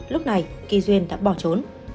lúc này kỳ duyên đã bỏ trốn